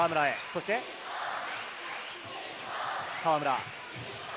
そして、河村。